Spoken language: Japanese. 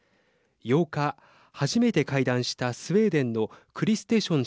８日、初めて会談したスウェーデンのクリステション